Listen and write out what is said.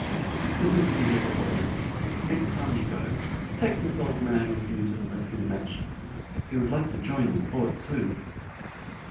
"Listen to me, little boy! Next time you go, take this old man with you to the wrestling match. He would like to join the sport too!"